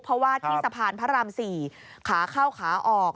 เพราะว่าที่สะพานพระราม๔ขาเข้าขาออก